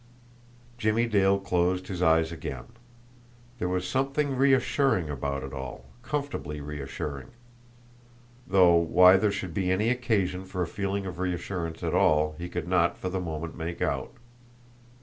Jimmie Dale closed his eyes again. There was something reassuring about it all, comfortably reassuring. Though why there should be any occasion for a feeling of reassurance at all, he could not for the moment make out.